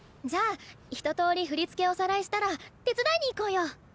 じゃあ一とおり振り付けおさらいしたら手伝いに行こうよ！